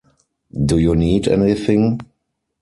Do you need anything?